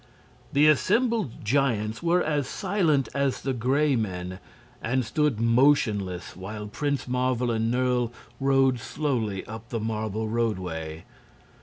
The assembled giants were as silent as the Gray Men, and stood motionless while Prince Marvel and Nerle rode slowly up the marble roadway.